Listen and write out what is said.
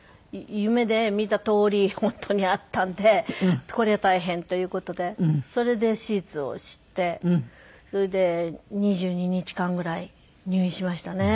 夢で見たとおり本当にあったんでこりゃ大変という事でそれで手術をしてそれで２２日間ぐらい入院しましたね。